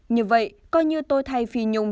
như vậy coi như tôi thay phi nhung